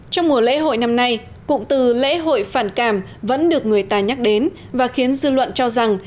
trong mùa lễ hội năm nay cụm từ lễ hội phản cảm vẫn được người ta nhắc đến và khiến dư luận cho rằng